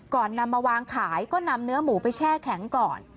นำมาวางขายก็นำเนื้อหมูไปแช่แข็งก่อน